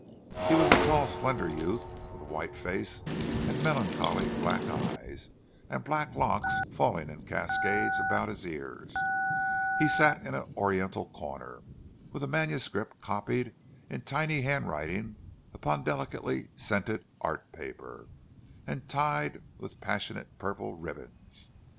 He was a tall, slender youth with a white face and melancholy black eyes, and black locks falling in cascades about his ears; he sat in an Oriental corner, with a manuscript copied in tiny handwriting upon delicately scented "art paper," and tied with passionate purple ribbons.